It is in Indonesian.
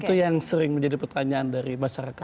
itu yang sering menjadi pertanyaan dari masyarakat